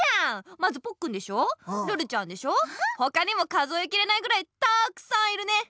まずポッくんでしょルルちゃんでしょほかにも数えきれないぐらいたくさんいるね！